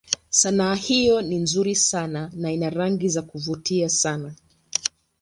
Sanaa hiyo ni nzuri sana na ina rangi za kuvutia sana.